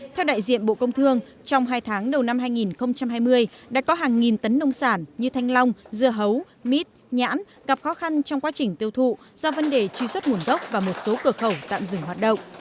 theo đại diện bộ công thương trong hai tháng đầu năm hai nghìn hai mươi đã có hàng nghìn tấn nông sản như thanh long dưa hấu mít nhãn gặp khó khăn trong quá trình tiêu thụ do vấn đề truy xuất nguồn gốc và một số cửa khẩu tạm dừng hoạt động